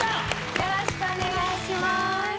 よろしくお願いします